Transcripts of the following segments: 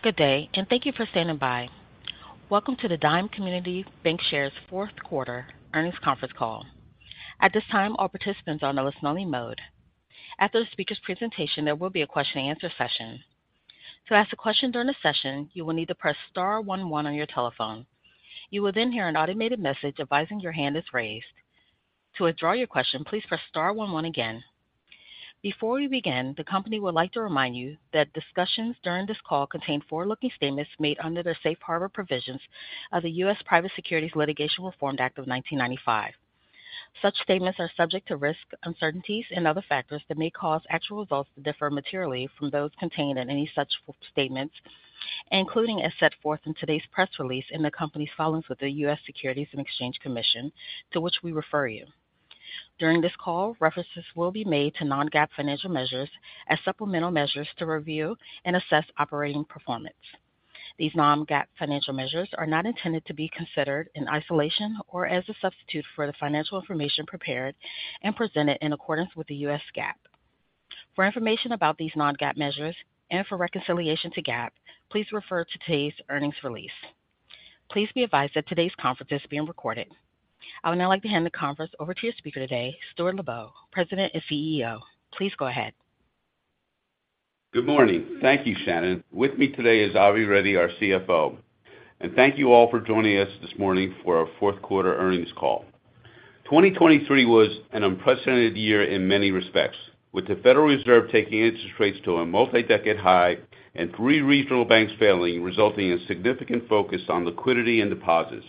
Good day and thank you for standing by. Welcome to the Dime Community Bancshares fourth quarter earnings conference call. At this time, all participants are on a listen-only mode. After the speaker's presentation, there will be a Q&A session. To ask a question during the session, you will need to press star one one on your telephone. You will then hear an automated message advising your hand is raised. To withdraw your question, please press star one one again. Before we begin, the company would like to remind you that discussions during this call contain forward-looking statements made under the Safe Harbor Provisions of the U.S. Private Securities Litigation Reform Act of 1995. Such statements are subject to risks, uncertainties and other factors that may cause actual results to differ materially from those contained in any such statements, including as set forth in today's press release in the company's filings with the U.S. Securities and Exchange Commission, to which we refer you. During this call, references will be made to non-GAAP financial measures as supplemental measures to review and assess operating performance. These non-GAAP financial measures are not intended to be considered in isolation or as a substitute for the financial information prepared and presented in accordance with U.S. GAAP. For information about these non-GAAP measures and for reconciliation to GAAP, please refer to today's earnings release. Please be advised that today's conference is being recorded. I would now like to hand the conference over to your speaker today, Stuart Lubow, President and CEO. Please go ahead. Good morning. Thank you, Shannon. With me today is Avi Reddy, our CFO. Thank you all for joining us this morning for our fourth quarter earnings call. 2023 was an unprecedented year in many respects, with the Federal Reserve taking interest rates to a multi-decade high and three regional banks failing, resulting in significant focus on liquidity and deposits.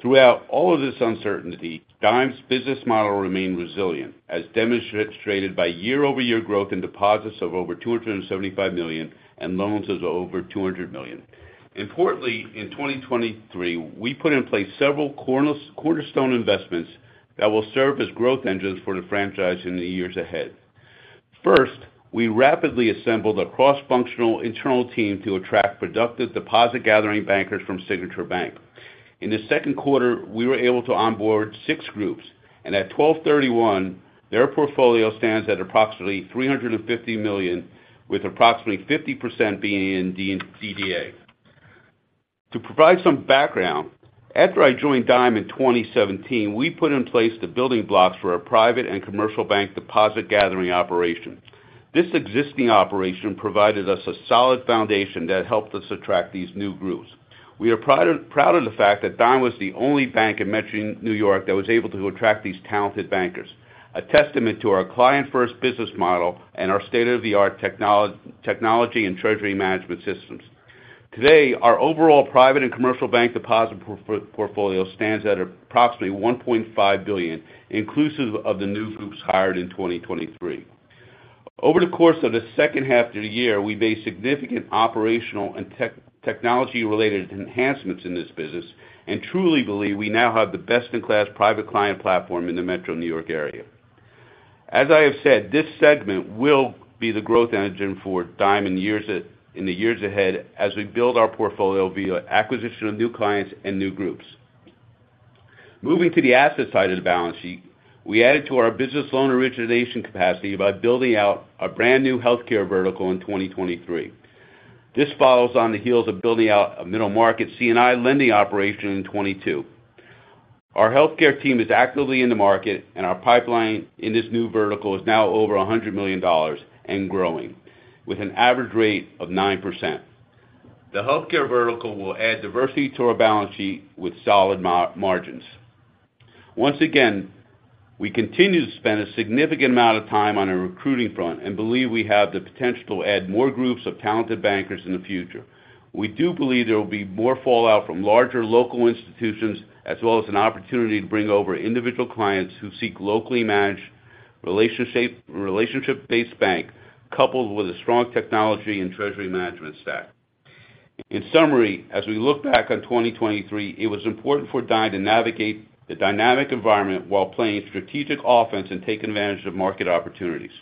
Throughout all of this uncertainty, Dime's business model remained resilient, as demonstrated by year-over-year growth in deposits of over $275 million and loans of over $200 million. Importantly, in 2023, we put in place several cornerstone investments that will serve as growth engines for the franchise in the years ahead. First, we rapidly assembled a cross-functional internal team to attract productive deposit gathering bankers from Signature Bank. In the second quarter, we were able to onboard six groups, and at 12/31, their portfolio stands at approximately $350 million, with approximately 50% being in DDA. To provide some background, after I joined Dime in 2017, we put in place the building blocks for our private and commercial bank deposit gathering operation. This existing operation provided us a solid foundation that helped us attract these new groups. We are proud, proud of the fact that Dime was the only bank in Metro New York that was able to attract these talented bankers, a testament to our client-first business model and our state-of-the-art technology and treasury management systems. Today, our overall private and commercial bank deposit portfolio stands at approximately $1.5 billion, inclusive of the new groups hired in 2023. Over the course of the second half of the year, we made significant operational and technology-related enhancements in this business and truly believe we now have the best-in-class private client platform in the Metro New York area. As I have said, this segment will be the growth engine for Dime in the years ahead as we build our portfolio via acquisition of new clients and new groups. Moving to the asset side of the balance sheet, we added to our business loan origination capacity by building out a brand new healthcare vertical in 2023. This follows on the heels of building out a middle market C&I lending operation in 2022. Our healthcare team is actively in the market and our pipeline in this new vertical is now over $100 million and growing with an average rate of 9%. The healthcare vertical will add diversity to our balance sheet with solid margins. Once again, we continue to spend a significant amount of time on a recruiting front and believe we have the potential to add more groups of talented bankers in the future. We do believe there will be more fallout from larger local institutions, as well as an opportunity to bring over individual clients who seek locally managed relationship, relationship-based bank, coupled with a strong technology and treasury management stack. In summary, as we look back on 2023, it was important for Dime to navigate the dynamic environment while playing strategic offense and taking advantage of market opportunities.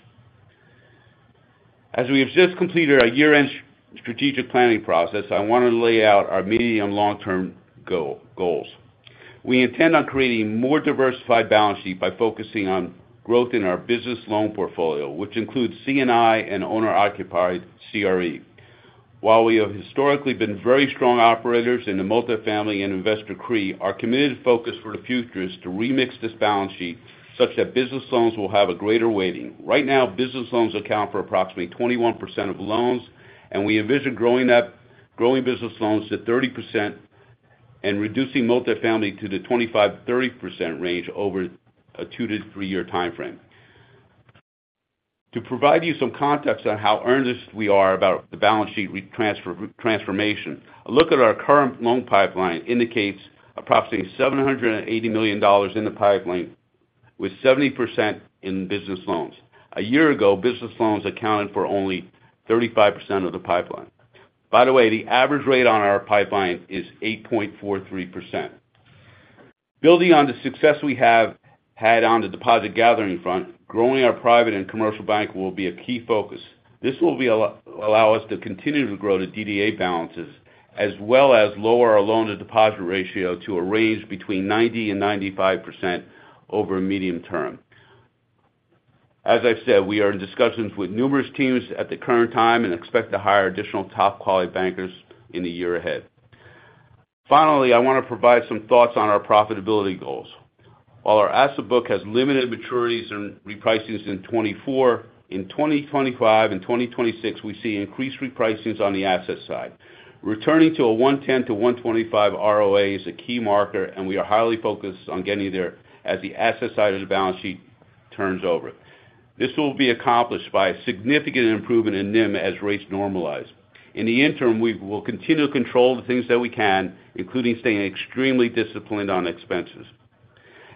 As we have just completed our year-end strategic planning process, I want to lay out our medium and long-term goal, goals. We intend on creating more diversified balance sheet by focusing on growth in our business loan portfolio, which includes C&I and owner-occupied CRE. While we have historically been very strong operators in the multifamily and investor CRE, our committed focus for the future is to remix this balance sheet such that business loans will have a greater weighting. Right now, business loans account for approximately 21% of loans, and we envision growing business loans to 30% and reducing multifamily to the 25%-30% range over a two-three-year timeframe. To provide you some context on how earnest we are about the balance sheet transformation, a look at our current loan pipeline indicates approximately $780 million in the pipeline, with 70% in business loans. A year ago, business loans accounted for only 35% of the pipeline. By the way, the average rate on our pipeline is 8.43%. Building on the success we have had on the deposit gathering front, growing our private and commercial bank will be a key focus. This will allow us to continue to grow the DDA balances, as well as lower our loan-to-deposit ratio to a range between 90% and 95% over a medium term. As I've said, we are in discussions with numerous teams at the current time and expect to hire additional top-quality bankers in the year ahead. Finally, I want to provide some thoughts on our profitability goals. While our asset book has limited maturities and repricing in 2024, in 2025 and 2026, we see increased repricing on the asset side. Returning to a 1.10-1.25 ROA is a key marker, and we are highly focused on getting there as the asset side of the balance sheet turns over. This will be accomplished by a significant improvement in NIM as rates normalize. In the interim, we will continue to control the things that we can, including staying extremely disciplined on expenses.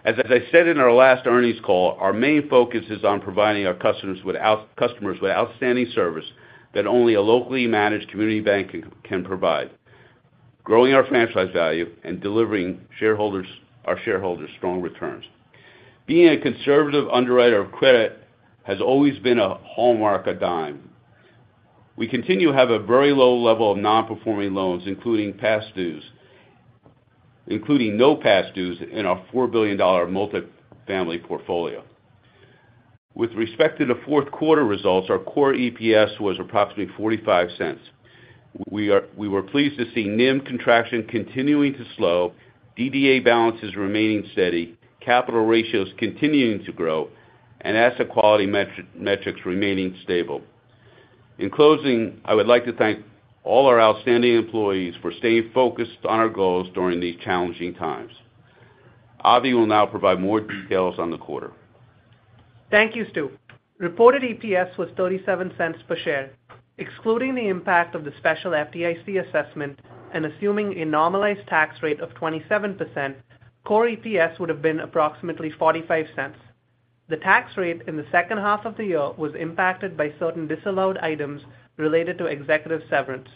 As I said in our last earnings call, our main focus is on providing our customers with outstanding service that only a locally managed community bank can provide, growing our franchise value and delivering our shareholders strong returns. Being a conservative underwriter of credit has always been a hallmark of Dime. We continue to have a very low level of non-performing loans, including past dues, including no past dues in our $4 billion multifamily portfolio. With respect to the fourth quarter results, our core EPS was approximately $0.45. We were pleased to see NIM contraction continuing to slow, DDA balances remaining steady, capital ratios continuing to grow, and asset quality metrics remaining stable. In closing, I would like to thank all our outstanding employees for staying focused on our goals during these challenging times. Avi will now provide more details on the quarter. Thank you, Stu. Reported EPS was $0.37 per share. Excluding the impact of the special FDIC assessment and assuming a normalized tax rate of 27%, core EPS would have been approximately $0.45. The tax rate in the second half of the year was impacted by certain disallowed items related to executive severance.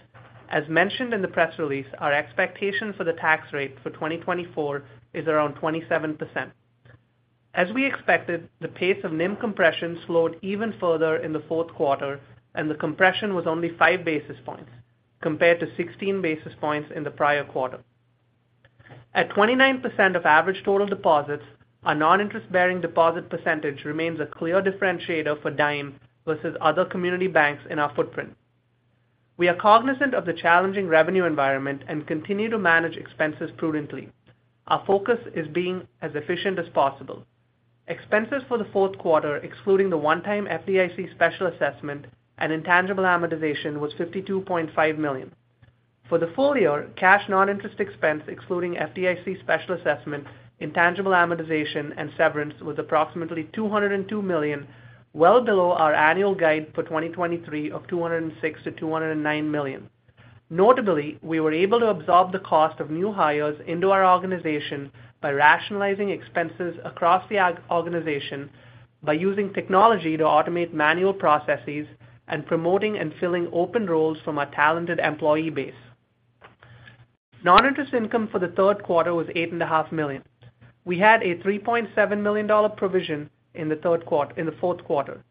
As mentioned in the press release, our expectation for the tax rate for 2024 is around 27%. As we expected, the pace of NIM compression slowed even further in the fourth quarter, and the compression was only five basis points, compared to 16 basis points in the prior quarter. At 29% of average total deposits, our non-interest-bearing deposit percentage remains a clear differentiator for Dime versus other community banks in our footprint. We are cognizant of the challenging revenue environment and continue to manage expenses prudently. Our focus is being as efficient as possible. Expenses for the fourth quarter, excluding the one-time FDIC special assessment and intangible amortization, was $52.5 million. For the full year, cash non-interest expense, excluding FDIC special assessment, intangible amortization, and severance, was approximately $202 million, well below our annual guide for 2023 of $206 million-$209 million. Notably, we were able to absorb the cost of new hires into our organization by rationalizing expenses across the organization, by using technology to automate manual processes, and promoting and filling open roles from our talented employee base. Non-interest income for the third quarter was $8.5 million. We had a $3.7 million provision in the fourth quarter.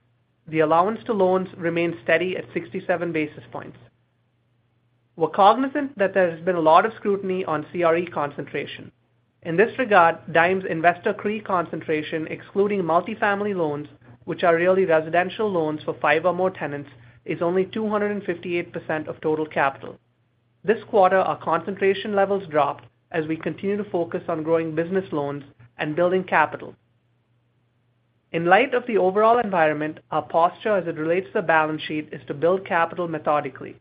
The allowance to loans remained steady at 67 basis points. We're cognizant that there has been a lot of scrutiny on CRE concentration. In this regard, Dime's investor CRE concentration, excluding multifamily loans, which are really residential loans for five or more tenants, is only 258% of total capital. This quarter, our concentration levels dropped as we continue to focus on growing business loans and building capital. In light of the overall environment, our posture as it relates to the balance sheet is to build capital methodically.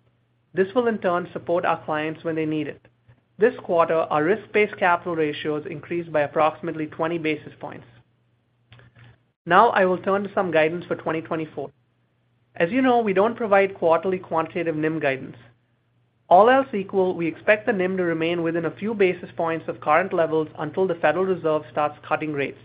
This will, in turn, support our clients when they need it. This quarter, our risk-based capital ratios increased by approximately 20 basis points. Now I will turn to some guidance for 2024. As you know, we don't provide quarterly quantitative NIM guidance. All else equal, we expect the NIM to remain within a few basis points of current levels until the Federal Reserve starts cutting rates.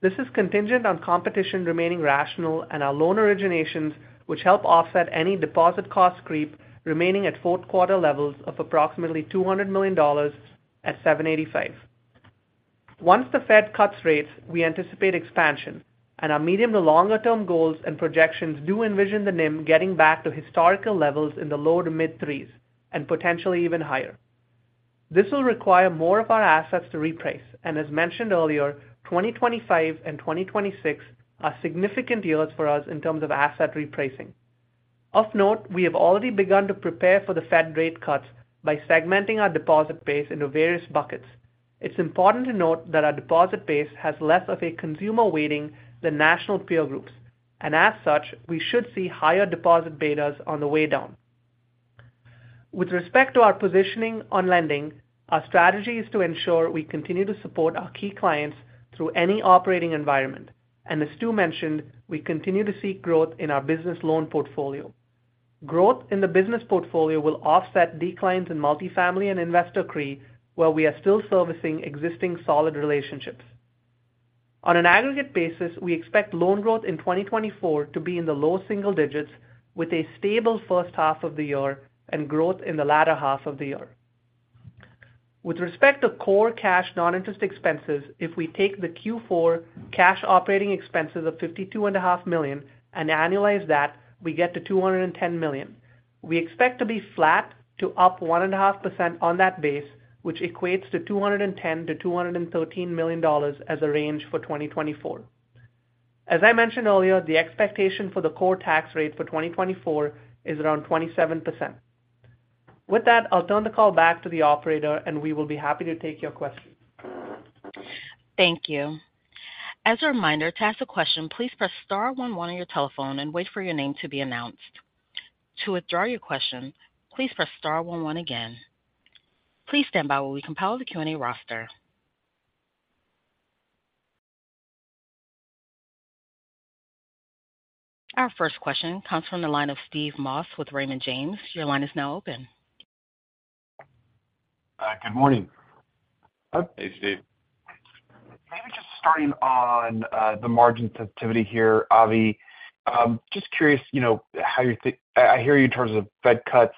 This is contingent on competition remaining rational and our loan originations, which help offset any deposit cost creep remaining at fourth quarter levels of approximately $200 million at 7.85%. Once the Fed cuts rates, we anticipate expansion, and our medium- to longer-term goals and projections do envision the NIM getting back to historical levels in the low- to mid-3s% and potentially even higher. This will require more of our assets to reprice, and as mentioned earlier, 2025 and 2026 are significant years for us in terms of asset repricing. Of note, we have already begun to prepare for the Fed rate cuts by segmenting our deposit base into various buckets. It's important to note that our deposit base has less of a consumer weighting than national peer groups, and as such, we should see higher deposit betas on the way down. With respect to our positioning on lending, our strategy is to ensure we continue to support our key clients through any operating environment, and as Stu mentioned, we continue to seek growth in our business loan portfolio. Growth in the business portfolio will offset declines in multifamily and investor CRE, while we are still servicing existing solid relationships. On an aggregate basis, we expect loan growth in 2024 to be in the low single digits, with a stable first half of the year and growth in the latter half of the year. With respect to core cash non-interest expenses, if we take the Q4 cash operating expenses of $52.5 million and annualize that, we get to $210 million. We expect to be flat to up 1.5% on that base, which equates to $210 million-$213 million as a range for 2024. As I mentioned earlier, the expectation for the core tax rate for 2024 is around 27%. With that, I'll turn the call back to the operator, and we will be happy to take your questions. Thank you. As a reminder, to ask a question, please press star one one on your telephone and wait for your name to be announced. To withdraw your question, please press star one one again. Please stand by while we compile the Q&A roster. Our first question comes from the line of Steve Moss with Raymond James. Your line is now open. Good morning. Hey, Steve. Maybe just starting on the margin sensitivity here, Avi. Just curious, you know, how you think—I hear you in terms of Fed cuts,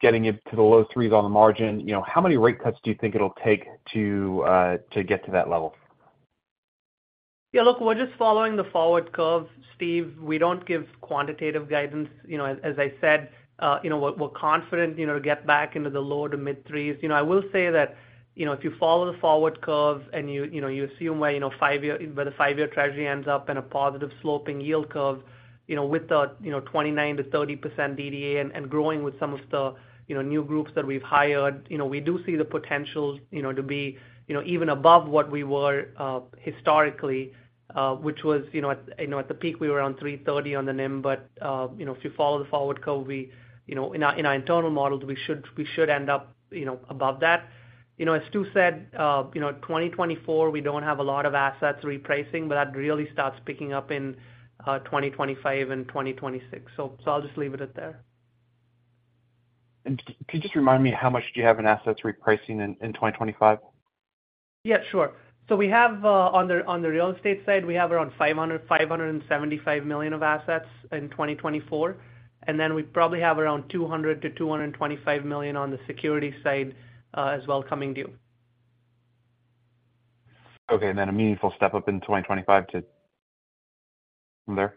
getting it to the low threes on the margin. You know, how many rate cuts do you think it'll take to get to that level? Yeah, look, we're just following the forward curve, Steve. We don't give quantitative guidance. You know, as, as I said, you know, we're, we're confident, you know, to get back into the low to mid 3s. You know, I will say that, you know, if you follow the forward curve and you, you know, you assume where, you know, five year- where the five-year Treasury ends up in a positive sloping yield curve, you know, with the, you know, 29%-30% DDA and, and growing with some of the, you know, new groups that we've hired, you know, we do see the potential, you know, to be, you know, even above what we were historically, which was, you know, at, you know, at the peak, we were around 3.30 on the NIM. But, you know, if you follow the forward curve, we, you know, in our, in our internal models, we should, we should end up, you know, above that. You know, as Stu said, you know, 2024, we don't have a lot of assets repricing, but that really starts picking up in, 2025 and 2026. So, I'll just leave it at there. Could you just remind me how much do you have in assets repricing in 2025? Yeah, sure. So we have on the real estate side, we have around $500, $575 million of assets in 2024, and then we probably have around $200 million-$225 million on the securities side, as well coming due. Okay, and then a meaningful step up in 2025 from there?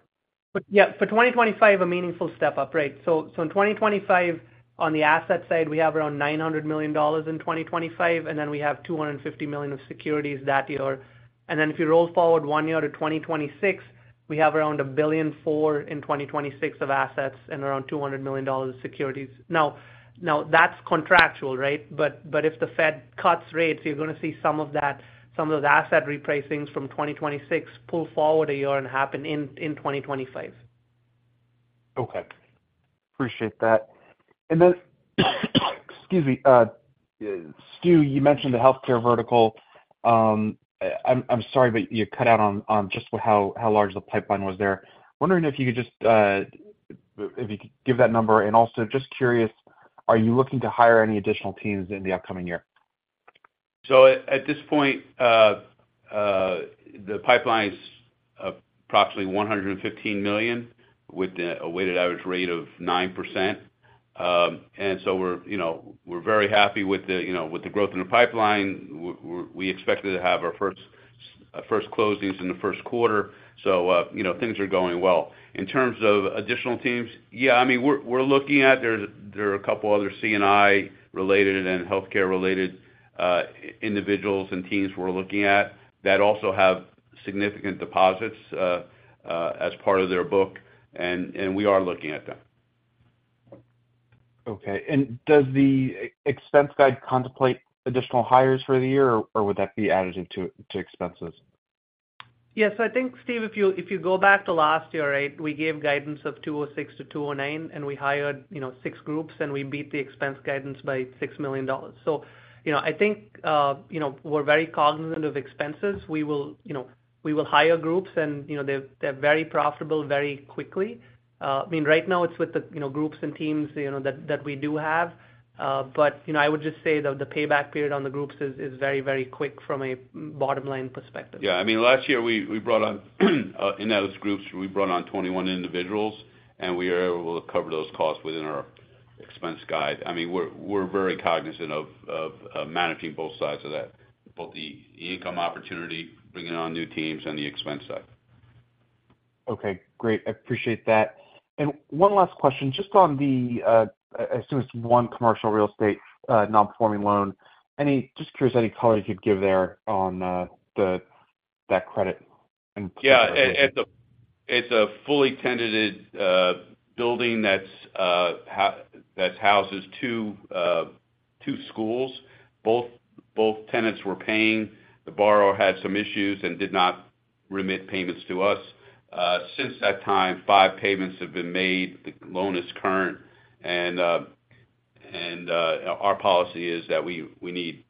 But yeah, for 2025, a meaningful step up, right. So, so in 2025, on the asset side, we have around $900 million in 2025, and then we have $250 million of securities that year. And then if you roll forward one year to 2026, we have around $1.4 billion in 2026 of assets and around $200 million in securities. Now, now that's contractual, right? But, but if the Fed cuts rates, you're gonna see some of that, some of the asset repricing from 2026 pull forward a year and happen in, in 2025. Okay. Appreciate that. And then, excuse me. Stu, you mentioned the healthcare vertical. I'm sorry, but you cut out on just how large the pipeline was there. I'm wondering if you could just, if you could give that number. And also just curious, are you looking to hire any additional teams in the upcoming year? So at this point, the pipeline is approximately $115 million with a weighted average rate of 9%. And so we're, you know, we're very happy with the, you know, with the growth in the pipeline. We expected to have our first closings in the first quarter. So, you know, things are going well. In terms of additional teams, yeah, I mean, we're looking at... There are a couple other C&I related and healthcare-related individuals and teams we're looking at that also have significant deposits as part of their book, and we are looking at them. Okay. And does the expense guide contemplate additional hires for the year, or would that be added into expenses? Yes. I think, Steve, if you, if you go back to last year, right, we gave guidance of 206-209, and we hired, you know, six groups, and we beat the expense guidance by $6 million. So, you know, I think, you know, we're very cognizant of expenses. We will, you know, we will hire groups and, you know, they've, they're very profitable very quickly. I mean, right now it's with the, you know, groups and teams, you know, that, that we do have. But, you know, I would just say that the payback period on the groups is, is very, very quick from a bottom-line perspective. Yeah. I mean, last year we brought on, in those groups, we brought on 21 individuals, and we were able to cover those costs within our expense guide. I mean, we're very cognizant of managing both sides of that, both the income opportunity, bringing on new teams and the expense side. Okay, great. I appreciate that. And one last question, just on the, I assume it's one commercial real estate non-performing loan. Just curious, any color you'd give there on, the that credit and- Yeah, it's a fully tenanted building that houses two schools. Both tenants were paying. The borrower had some issues and did not remit payments to us. Since that time, five payments have been made. The loan is current, and our policy is that we need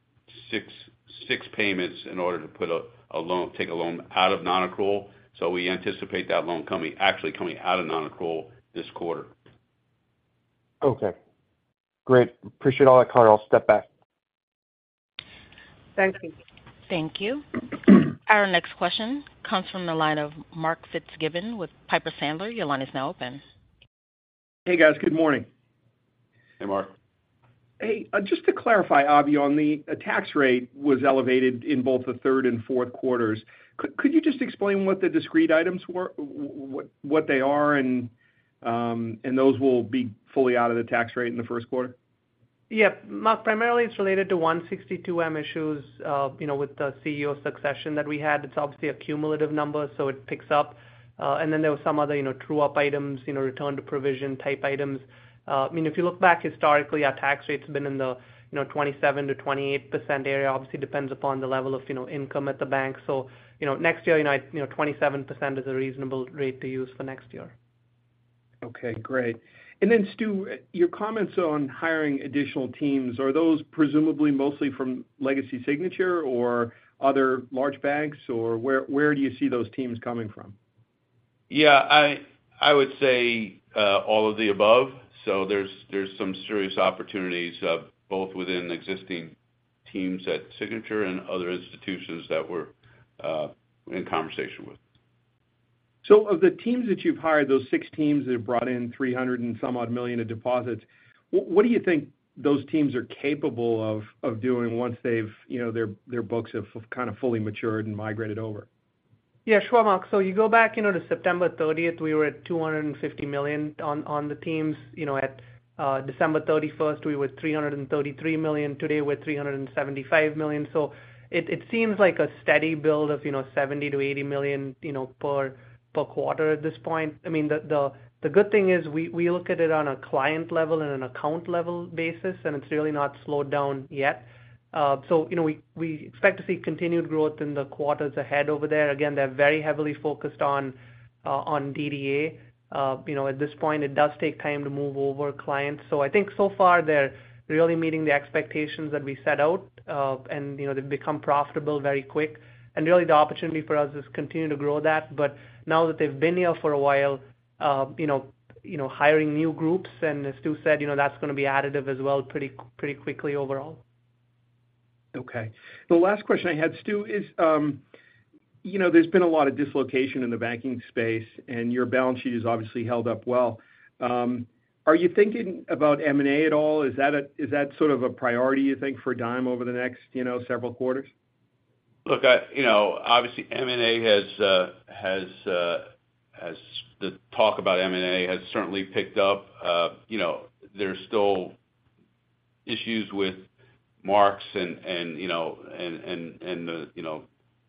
six payments in order to take a loan out of nonaccrual. So we anticipate that loan coming, actually coming out of nonaccrual this quarter. Okay, great. Appreciate all that color. I'll step back. Thank you. Thank you. Our next question comes from the line of Mark Fitzgibbon with Piper Sandler. Your line is now open. Hey, guys. Good morning. Hey, Mark. Hey, just to clarify, Avi, on the tax rate was elevated in both the third and fourth quarters. Could you just explain what the discrete items were, what they are, and those will be fully out of the tax rate in the first quarter? Yeah, Mark, primarily it's related to 162(m) issues, you know, with the CEO succession that we had. It's obviously a cumulative number, so it picks up. And then there were some other, you know, true-up items, you know, return to provision type items. I mean, if you look back historically, our tax rate's been in the, you know, 27%-28% area. Obviously, depends upon the level of, you know, income at the bank. So, you know, next year, you know, 27% is a reasonable rate to use for next year. Okay, great. And then, Stu, your comments on hiring additional teams, are those presumably mostly from Legacy Signature or other large banks, or where, where do you see those teams coming from? Yeah, I would say all of the above. So there's some serious opportunities of both within existing teams at Signature and other institutions that we're in conversation with. Of the teams that you've hired, those six teams that have brought in $300 and some odd million of deposits, what do you think those teams are capable of doing once they've, you know, their books have kind of fully matured and migrated over? Yeah, sure, Mark. So you go back, you know, to September 30th, we were at $250 million on, on the teams. You know, at December 31st, we were $333 million. Today, we're $375 million. So it, it seems like a steady build of, you know, $70 million-$80 million, you know, per, per quarter at this point. I mean, the, the, the good thing is we, we look at it on a client level and an account level basis, and it's really not slowed down yet. So you know, we, we expect to see continued growth in the quarters ahead over there. Again, they're very heavily focused on, on DDA. You know, at this point, it does take time to move over clients. So I think so far they're really meeting the expectations that we set out. You know, they've become profitable very quick. Really, the opportunity for us is continue to grow that. But now that they've been here for a while, you know, you know, hiring new groups, and as Stu said, you know, that's going to be additive as well, pretty, pretty quickly overall. Okay. The last question I had, Stu, is, you know, there's been a lot of dislocation in the banking space, and your balance sheet has obviously held up well. Are you thinking about M&A at all? Is that sort of a priority, you think, for Dime over the next, you know, several quarters? Look, you know, obviously, the talk about M&A has certainly picked up. You know, there's still issues with marks and, you know,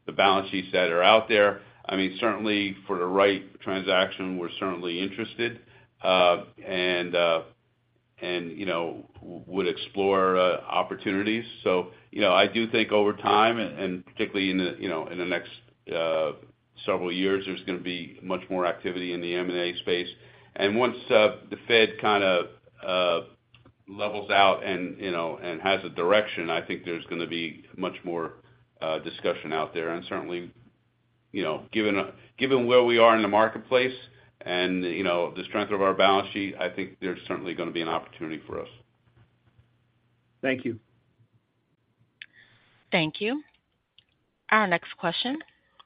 the balance sheets that are out there. I mean, certainly for the right transaction, we're certainly interested and, you know, would explore opportunities. So, you know, I do think over time and particularly in the, you know, in the next several years, there's going to be much more activity in the M&A space. And once the Fed kind of levels out and, you know, and has a direction, I think there's going to be much more discussion out there. Certainly, you know, given where we are in the marketplace and, you know, the strength of our balance sheet, I think there's certainly going to be an opportunity for us. Thank you. Thank you. Our next question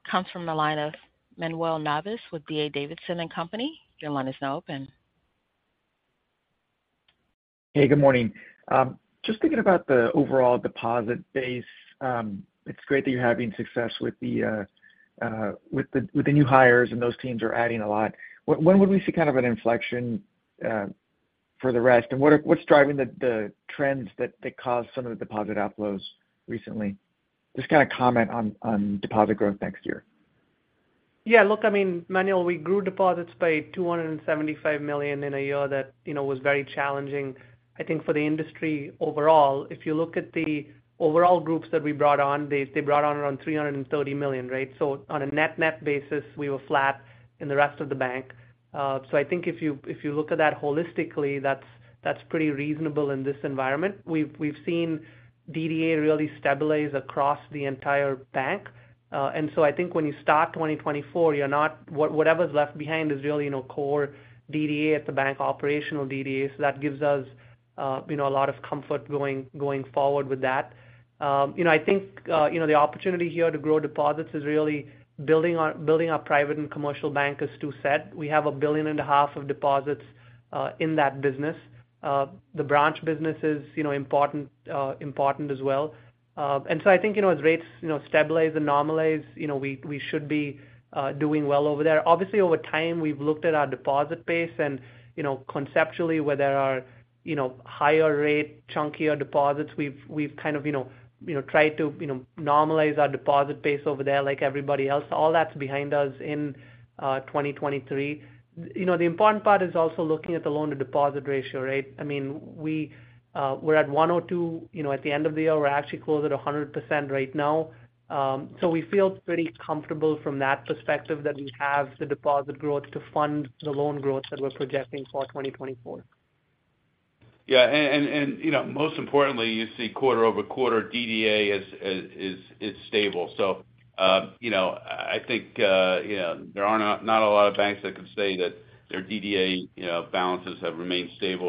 comes from the line of Manuel Navas with D.A. Davidson and Company. Your line is now open. Hey, good morning. Just thinking about the overall deposit base, it's great that you're having success with the new hires, and those teams are adding a lot. When would we see kind of an inflection for the rest? And what's driving the trends that caused some of the deposit outflows recently? Just kind of comment on deposit growth next year. Yeah, look, I mean, Manuel, we grew deposits by $275 million in a year that, you know, was very challenging, I think, for the industry overall. If you look at the overall groups that we brought on, they brought on around $330 million, right? So on a net-net basis, we were flat in the rest of the bank. So I think if you look at that holistically, that's pretty reasonable in this environment. We've seen DDA really stabilize across the entire bank. And so I think when you start 2024, whatever's left behind is really, you know, core DDA at the bank, operational DDA. So that gives us, you know, a lot of comfort going forward with that. You know, I think, you know, the opportunity here to grow deposits is really building our private and commercial bank, as Stu said. We have $1.5 billion of deposits in that business. The branch business is, you know, important as well. And so I think, you know, as rates, you know, stabilize and normalize, you know, we should be doing well over there. Obviously, over time, we've looked at our deposit base and, you know, conceptually, where there are, you know, higher rate, chunkier deposits, we've kind of, you know, tried to, you know, normalize our deposit base over there like everybody else. All that's behind us in 2023. You know, the important part is also looking at the loan-to-deposit ratio, right? I mean, we, we're at 102, you know, at the end of the year. We're actually close at 100% right now. So we feel pretty comfortable from that perspective that we have the deposit growth to fund the loan growth that we're projecting for 2024. Yeah, and, you know, most importantly, you see quarter-over-quarter DDA is stable. So, you know, I think, you know, there are not a lot of banks that can say that their DDA, you know, balances have remained stable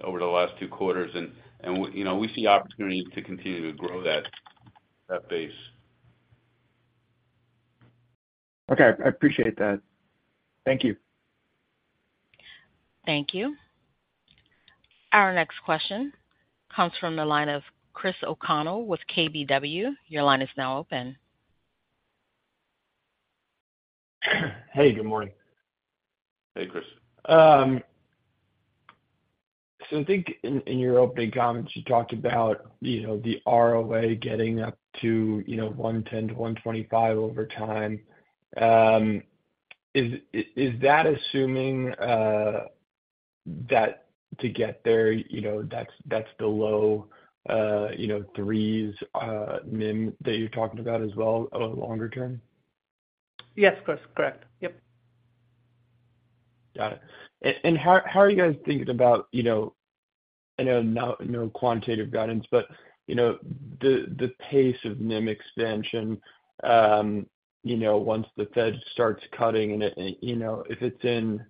over the last two quarters. And, you know, we see opportunity to continue to grow that base. Okay. I appreciate that. Thank you. Thank you. Our next question comes from the line of Chris O'Connell with KBW. Your line is now open. Hey, good morning. Hey, Chris. So I think in your opening comments, you know, the ROA getting up to, you know, 1.10-1.25 over time. Is that assuming that to get there, you know, that's the low 3s NIM that you're talking about as well over longer term? Yes, Chris, correct. Yep. Got it. And how are you guys thinking about, you know, I know no quantitative guidance, but, you know, the pace of NIM expansion, you know, once the Fed starts cutting and, you know, if it's in,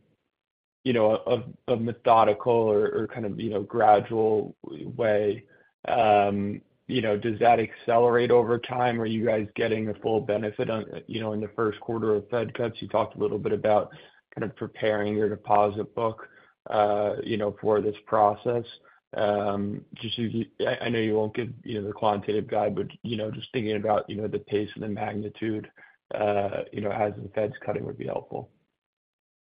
you know, a methodical or kind of, you know, gradual way, you know, does that accelerate over time? Are you guys getting the full benefit on, you know, in the first quarter of Fed cuts? You talked a little bit about kind of preparing your deposit book, you know, for this process. Just as I know you won't give, you know, the quantitative guide, but, you know, just thinking about, you know, the pace and the magnitude, you know, as the Fed's cutting would be helpful.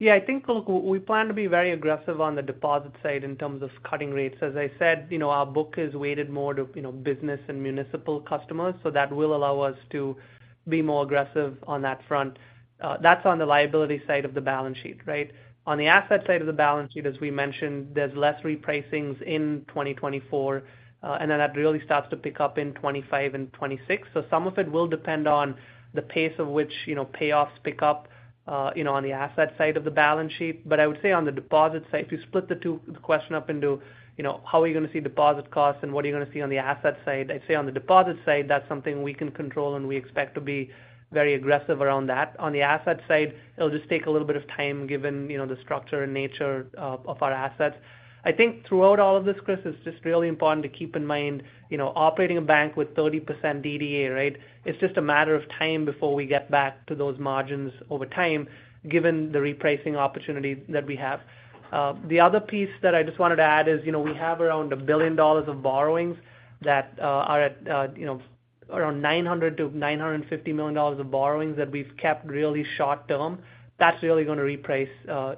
Yeah, I think, look, we plan to be very aggressive on the deposit side in terms of cutting rates. As I said, you know, our book is weighted more to, you know, business and municipal customers, so that will allow us to be more aggressive on that front. That's on the liability side of the balance sheet, right? On the asset side of the balance sheet, as we mentioned, there's less repricing in 2024, and then that really starts to pick up in 2025 and 2026. So some of it will depend on the pace of which, you know, payoffs pick up, you know, on the asset side of the balance sheet. But I would say on the deposit side, if you split the two, the question up into, you know, how are you gonna see deposit costs and what are you gonna see on the asset side? I'd say on the deposit side, that's something we can control, and we expect to be very aggressive around that. On the asset side, it'll just take a little bit of time, given, you know, the structure and nature of, of our assets. I think throughout all of this, Chris, it's just really important to keep in mind, you know, operating a bank with 30% DDA, right? It's just a matter of time before we get back to those margins over time, given the repricing opportunity that we have. The other piece that I just wanted to add is, you know, we have around $1 billion of borrowings that are at, you know, around $900 million-$950 million of borrowings that we've kept really short term. That's really gonna reprice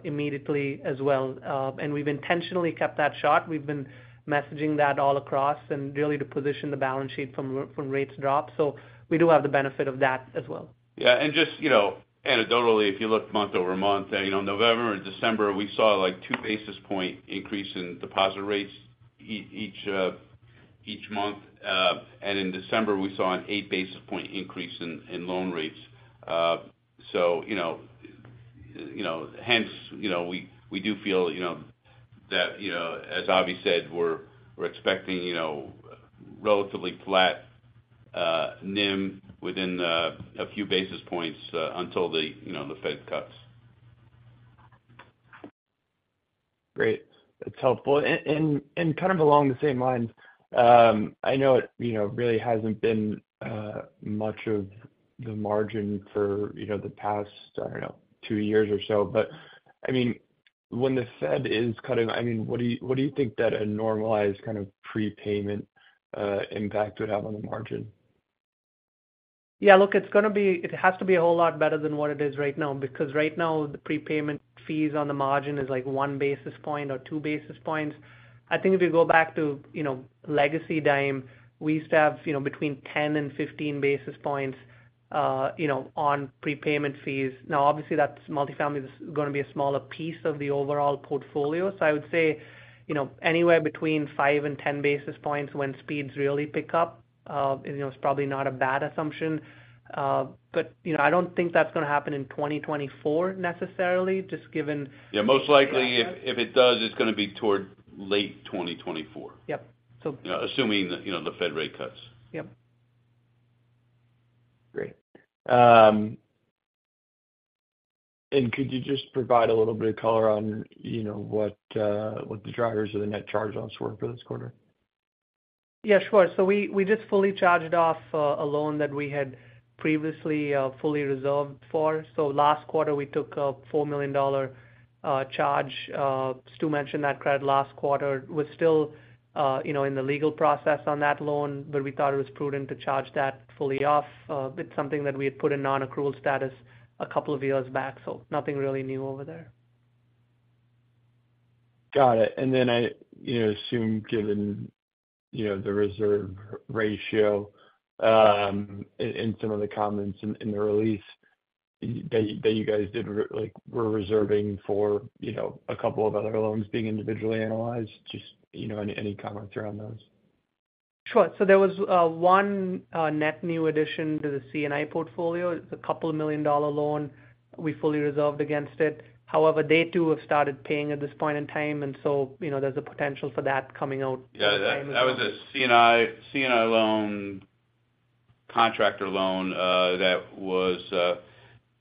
immediately as well. We've intentionally kept that short. We've been messaging that all across and really to position the balance sheet from rates drop. We do have the benefit of that as well. Yeah, and just, you know, anecdotally, if you look month-over-month, you know, November and December, we saw, like, two basis point increase in deposit rates each month. And in December, we saw an eight basis point increase in loan rates. So, you know, you know, hence, you know, we, we do feel, you know, that, you know, as Avi said, we're, we're expecting, you know, relatively flat NIM within a few basis points, until the, you know, the Fed cuts. Great. That's helpful. And kind of along the same lines, I know it, you know, really hasn't been much of the margin for, you know, the past, I don't know, two years or so. But, I mean, when the Fed is cutting, I mean, what do you, what do you think that a normalized kind of prepayment impact would have on the margin? Yeah, look, it's gonna be—it has to be a whole lot better than what it is right now, because right now, the prepayment fees on the margin is, like, one basis point or two basis points. I think if you go back to, you know, Legacy Dime, we used to have, you know, between 10 and 15 basis points, you know, on prepayment fees. Now, obviously, that's multifamily is gonna be a smaller piece of the overall portfolio. So I would say, you know, anywhere between five and 10 basis points when speeds really pick up, you know, it's probably not a bad assumption. But, you know, I don't think that's gonna happen in 2024 necessarily, just given- Yeah, most likely, if, if it does, it's gonna be toward late 2024. Yep. So- Assuming that, you know, the Fed rate cuts. Yep. Great. Could you just provide a little bit of color on, you know, what the drivers of the net charge-offs were for this quarter? Yeah, sure. So we just fully charged off a loan that we had previously fully reserved for. So last quarter, we took a $4 million charge. Stu mentioned that credit last quarter. It was still, you know, in the legal process on that loan, but we thought it was prudent to charge that fully off. It's something that we had put in non-accrual status a couple of years back, so nothing really new over there. Got it. And then I, you know, assume, given, you know, the reserve ratio, in some of the comments in the release that you guys did, like, we're reserving for, you know, a couple of other loans being individually analyzed. Just, you know, any comments around those? Sure. So there was one net new addition to the C&I portfolio. It's a $2 million loan. We fully reserved against it. However, they, too, have started paying at this point in time, and so, you know, there's a potential for that coming out. Yeah, that was a C&I loan, contractor loan, that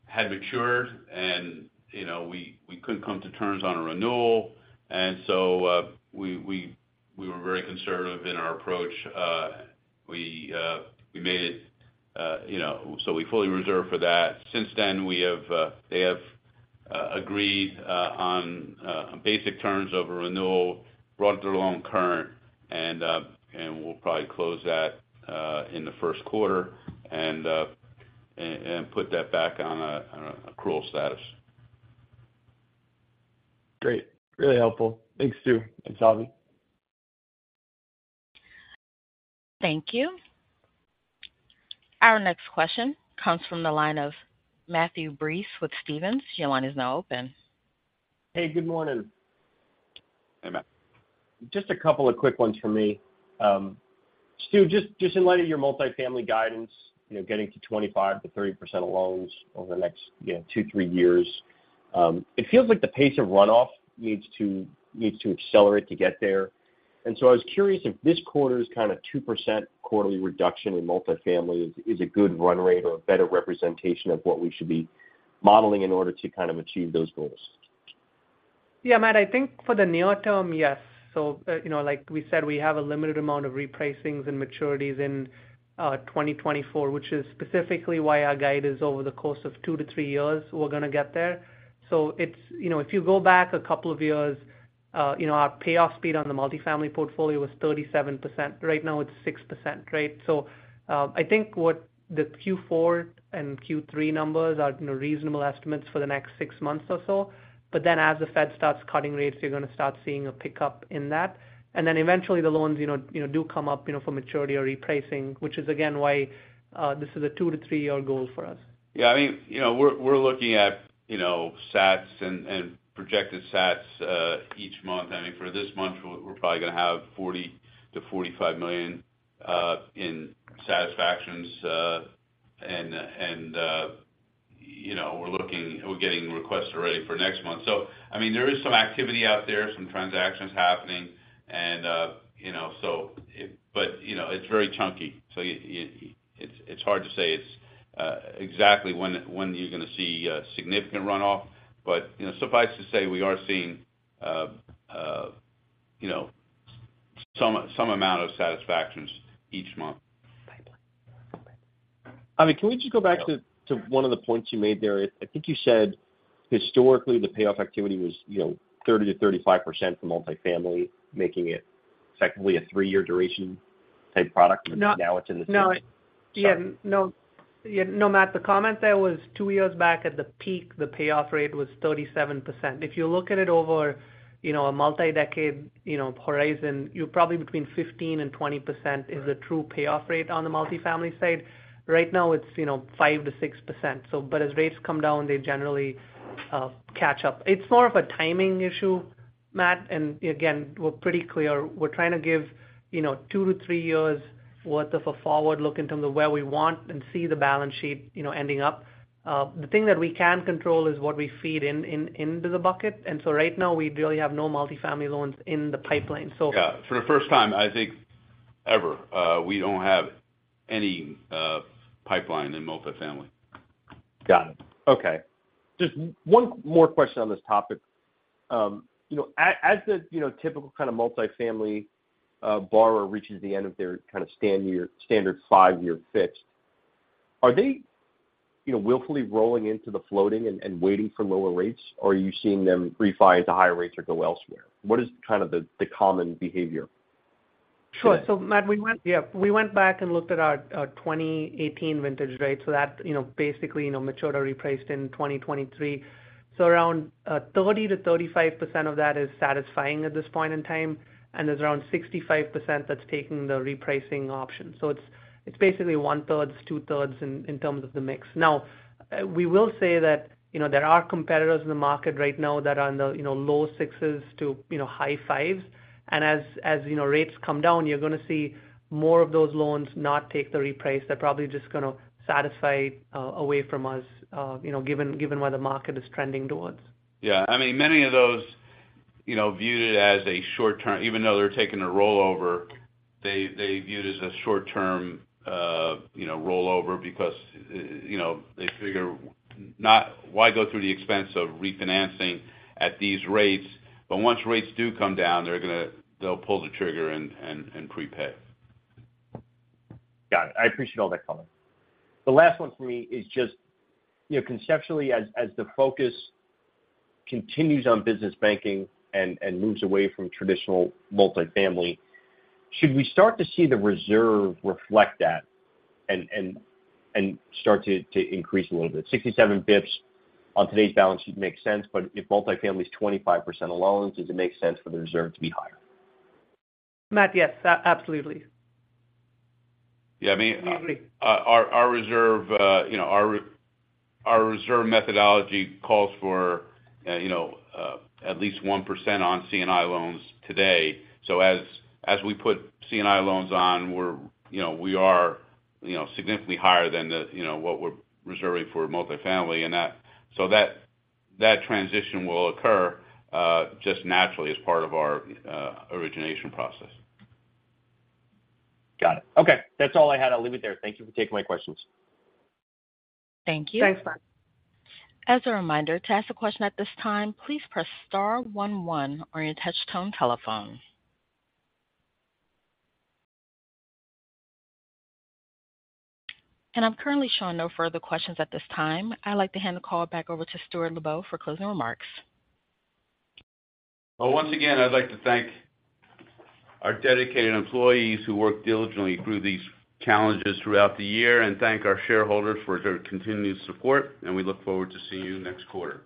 had matured and, you know, we couldn't come to terms on a renewal. And so, we were very conservative in our approach. We made it, you know... So we fully reserved for that. Since then, they have agreed on basic terms of a renewal, brought their loan current, and we'll probably close that in the first quarter and put that back on accrual status. Great. Really helpful. Thanks, Stu and Avi. Thank you. Our next question comes from the line of Matthew Breese with Stephens. Your line is now open. Hey, good morning. Hey, Matt. Just a couple of quick ones for me. Stu, just, just in light of your multifamily guidance, you know, getting to 25%-30% of loans over the next, you know, two-three years, it feels like the pace of runoff needs to, needs to accelerate to get there. And so I was curious if this quarter's kind of 2% quarterly reduction in multifamily is, is a good run rate or a better representation of what we should be modeling in order to kind of achieve those goals? Yeah, Matt, I think for the near term, yes. So, you know, like we said, we have a limited amount of repricing and maturities in 2024, which is specifically why our guide is over the course of two-three years, we're gonna get there. So it's, you know, if you go back a couple of years, you know, our payoff speed on the multifamily portfolio was 37%. Right now, it's 6%, right? So, I think what the Q4 and Q3 numbers are, you know, reasonable estimates for the next six months or so, but then as the Fed starts cutting rates, you're gonna start seeing a pickup in that. And then eventually, the loans, you know, do come up, you know, for maturity or repricing, which is again, why this is a two-three-year goal for us. Yeah, I mean, you know, we're, we're looking at, you know, sats and, and projected sats each month. I mean, for this month, we're, we're probably gonna have $40 million-$45 million in satisfactions. And, you know, we're looking. We're getting requests already for next month. So, I mean, there is some activity out there, some transactions happening, and, you know, so it... But, you know, it's very chunky, so it's, it's hard to say it's exactly when, when you're gonna see a significant runoff. But, you know, suffice to say, we are seeing, you know, some, some amount of satisfactions each month. I mean, can we just go back to one of the points you made there? I think you said historically, the payoff activity was, you know, 30%-35% for multifamily, making it effectively a three-year duration type product. No. Now it's in the- Yeah. No. Yeah. No, Matt, the comment there was two years back at the peak, the payoff rate was 37%. If you look at it over, you know, a multi-decade, you know, horizon, you're probably between 15% and 20%- Right -is the true payoff rate on the multifamily side. Right now, it's, you know, 5%-6%. So, but as rates come down, they generally catch up. It's more of a timing issue, Matt. And again, we're pretty clear, we're trying to give, you know, two-three years worth of a forward look in terms of where we want and see the balance sheet, you know, ending up. The thing that we can control is what we feed into the bucket, and so right now, we really have no multifamily loans in the pipeline so- Yeah, for the first time, I think ever, we don't have any pipeline in multifamily. Got it. Okay. Just one more question on this topic. You know, as the, you know, typical kind of multifamily borrower reaches the end of their kind of standard five-year fix, are they, you know, willfully rolling into the floating and waiting for lower rates, or are you seeing them refi to higher rates or go elsewhere? What is kind of the common behavior? Sure. So Matt, we went, yeah, we went back and looked at our 2018 vintage rate, so that, you know, basically, you know, matured or repriced in 2023. So around 30%-35% of that is satisfying at this point in time, and there's around 65% that's taking the repricing option. So it's basically one-third, two-thirds in terms of the mix. Now, we will say that, you know, there are competitors in the market right now that are on the low sixes to high fives. And as you know, rates come down, you're gonna see more of those loans not take the reprice. They're probably just gonna satisfy away from us, you know, given where the market is trending towards. Yeah. I mean, many of those, you know, viewed it as a short term. Even though they're taking a rollover, they viewed it as a short-term, you know, rollover because, you know, they figure why go through the expense of refinancing at these rates? But once rates do come down, they're gonna. They'll pull the trigger and prepay. Got it. I appreciate all that color. The last one for me is just, you know, conceptually, as the focus continues on business banking and moves away from traditional multifamily, should we start to see the reserve reflect that and start to increase a little bit? 67 bps on today's balance sheet makes sense, but if multifamily is 25% of loans, does it make sense for the reserve to be higher? Matt, yes, absolutely. Yeah, I mean- We agree. Our reserve methodology calls for at least 1% on C&I loans today. So as we put C&I loans on, we are significantly higher than what we're reserving for multifamily and that. So that transition will occur just naturally as part of our origination process. Got it. Okay. That's all I had. I'll leave it there. Thank you for taking my questions. Thank you. Thanks, Matt. As a reminder, to ask a question at this time, please press star one one on your touch-tone telephone. I'm currently showing no further questions at this time. I'd like to hand the call back over to Stuart Lubow for closing remarks. Well, once again, I'd like to thank our dedicated employees who worked diligently through these challenges throughout the year, and thank our shareholders for their continued support, and we look forward to seeing you next quarter.